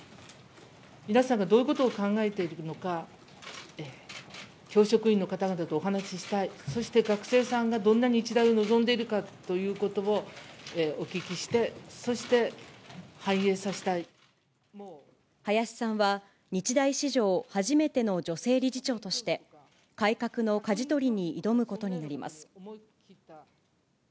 皆さんがどういうことを考えているのか、教職員の方々とお話ししたい、そして学生さんがどんな日大を望んでいるかということをお聞きし林さんは、日大史上初めての女性理事長として、改革のかじ取りに挑むことになります。